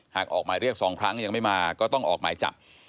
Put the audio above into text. ออกหมายเรียก๒ครั้งยังไม่มาก็ต้องออกหมายจับ